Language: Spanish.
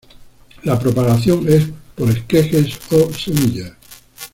La propagación es por esquejes o semillas.